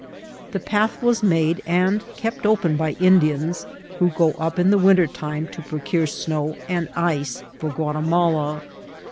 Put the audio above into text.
The path was made and kept open by Indians, who go up in the winter time to procure snow and ice for Qua* timala.